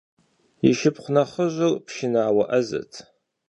И шыпхъу нэхъыжьыр пшынауэ Ӏэзэт.